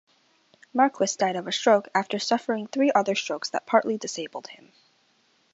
Marquis died of a stroke after suffering three other strokes that partly disabled him.